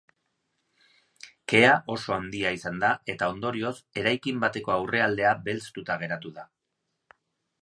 Kea oso handia izan da eta ondorioz eraikin bateko aurrealdea belztuta geratu da.